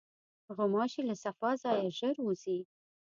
غوماشې له صفا ځایه ژر وځي.